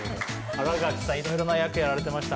新垣さん色々な役やられてましたね。